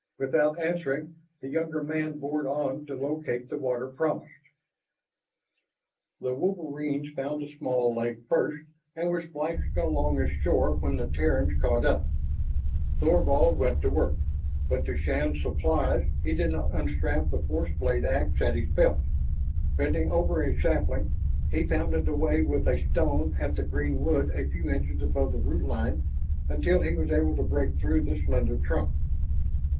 Without answering, the younger man bored on to locate the water promised. The wolverines found the small lake first and were splashing along its shore when the Terrans caught up. Thorvald went to work, but to Shann's surprise he did not unstrap the force blade ax at his belt. Bending over a sapling, he pounded away with a stone at the green wood a few inches above the root line until he was able to break through the slender trunk.